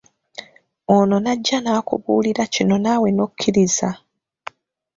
Ono n'ajja n'akubuulira kino naawe n'okkiriza.